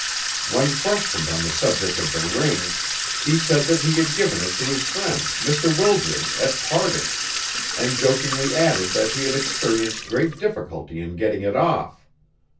When questioned on the subject of the ring, he said that he had given it to his friend, Mr. Wildred, at parting, and jokingly added that he had experienced great difficulty in getting it off.